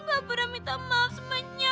gak pernah minta maaf semuanya